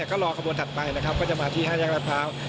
ก็รอขบวนถัดไปนะครับก็จะมาที่๕แยกรัฐพร้าว